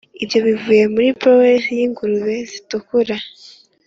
ibyo bivuye muri bower yingurube zitukura